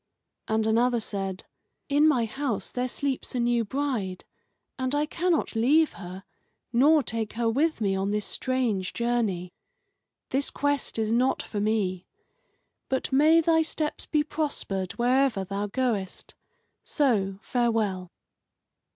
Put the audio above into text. And another said: "In my house there sleeps a new bride, and I cannot leave her nor take her with me on this strange journey. This quest is not for me. But may thy steps be prospered wherever thou goest. So, farewell."